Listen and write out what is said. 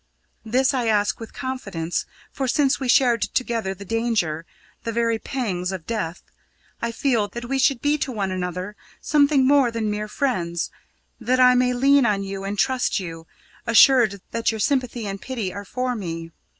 This I ask with confidence, for since we shared together the danger the very pangs of death, I feel that we should be to one another something more than mere friends, that I may lean on you and trust you, assured that your sympathy and pity are for me.